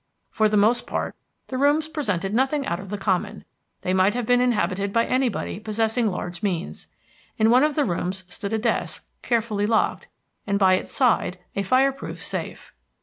For the most part, the rooms presented nothing out of the common; they might have been inhabited by anybody possessing large means. In one of the rooms stood a desk, carefully locked, and by its side a fireproof safe.